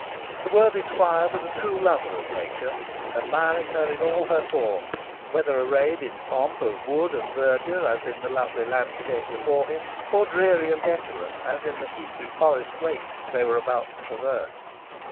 The worthy squire was a true lover of Nature; admiring her in all her forms, whether arrayed in pomp of wood and verdure, as in the lovely landscape before him, or dreary and desolate, as in the heathy forest wastes they were about to traverse.